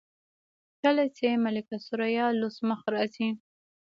کله چې ملکه ثریا لوڅ مخ راځي.